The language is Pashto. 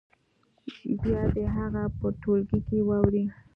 بیا دې هغه په ټولګي کې واوروي.